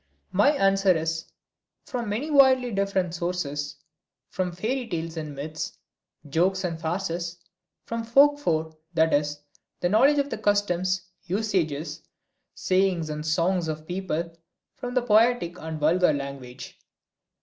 My answer is: "From many widely different sources, from fairy tales and myths, jokes and farces, from folklore, that is, the knowledge of the customs, usages, sayings and songs of peoples, from the poetic and vulgar language.